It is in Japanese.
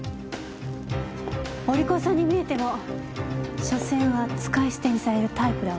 お利口さんに見えてもしょせんは使い捨てにされるタイプだわ。